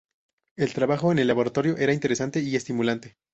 El trabajo en el laboratorio era interesante y estimulante.